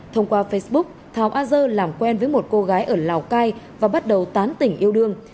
thông qua facebook thảo a dơ làm quen với một cô gái ở lào cai và bắt đầu tán tỉnh yêu đương